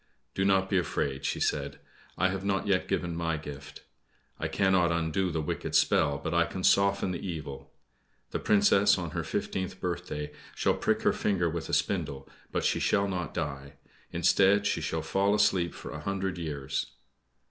"Do not be afraid," she said, "I have not yet given my gift. I cannot undo the wicked spell, but I can soften the evil. The Princess, on her fifteenth birthday, shall prick her finger with a spindle, but she shall not die. Instead, she shall fall asleep for a hundred years."